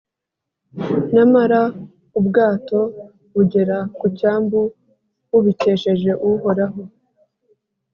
Nyamara ubwato bugera ku cyambu, bubikesheje Uhoraho,